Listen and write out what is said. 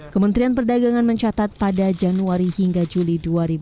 kementerian perdagangan mencatat pada januari hingga juli dua ribu dua puluh